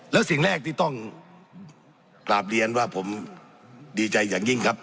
แล้วสิ่งแรกที่ต้องกราบเรียนว่าผมดีใจอย่างยิ่งครับ